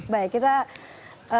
baik kita tanya